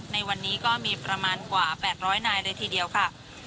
ในวันนี้ก็มีประมาณกว่า๘๐๐นายเลยทีเดียวค่ะ